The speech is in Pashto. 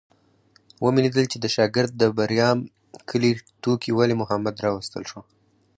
ومې لیدل چې د شلګر د بریام کلي ټوکي ولي محمد راوستل شو.